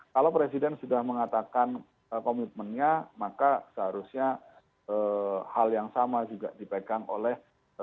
kalau presiden sudah mengatakan komitmennya maka seharusnya hal yang sama juga dipegang oleh